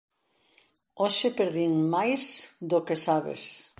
Hoxe perdín máis do que sabes.